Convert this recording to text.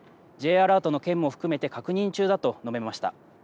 アラートの件も含めて確認中だと述べました。